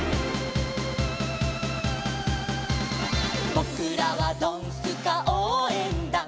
「ぼくらはドンスカおうえんだん」